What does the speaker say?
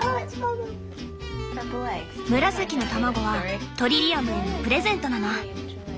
紫の卵はトリリアムへのプレゼントなの。